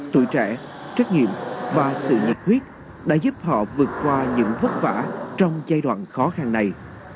tuổi trẻ trách nhiệm và sự nhiệt huyết đã giúp họ vượt qua những vất vả trong giai đoạn khó khăn này